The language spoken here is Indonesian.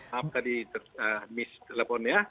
maaf tadi miss teleponnya